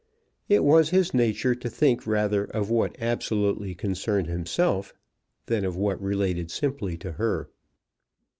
It was his nature to think rather of what absolutely concerned himself, than of what related simply to her.